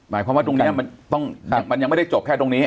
หมายความว่าตรงนี้มันยังไม่ได้จบแค่ตรงนี้